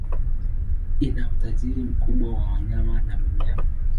Ina utajiri mkubwa wa wanyama na mimea.